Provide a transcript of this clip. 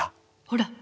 ほら。